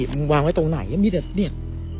มึงวางไว้ตรงไหน